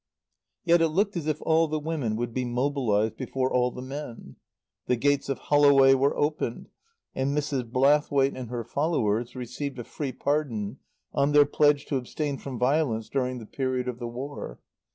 Yet it looked as if all the women would be mobilized before all the men. The gates of Holloway were opened, and Mrs. Blathwaite and her followers received a free pardon on their pledge to abstain from violence during the period of the War.